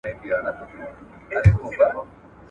د خصوصي سکتور رول په پرمختیا کي خورا مهم دی.